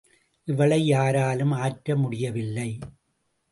இவளை யாராலும் ஆற்ற முடியவில்லை.